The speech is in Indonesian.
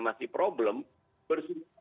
masih problem bersumpah